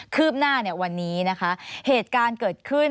ืบหน้าวันนี้นะคะเหตุการณ์เกิดขึ้น